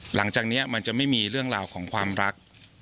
หลังจากนี้มันจะไม่มีเรื่องราวของความรัก